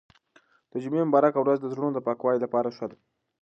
د جمعې مبارکه ورځ د زړونو د پاکوالي لپاره ښه ده.